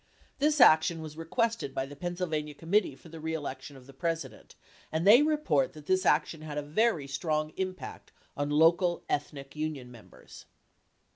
This action was re quested by the Pennsylvania Committee for the Re Election of the President, and they report that this action had a very strong impact on the local ethnic union members.